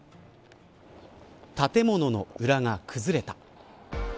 建物の裏が崩れた。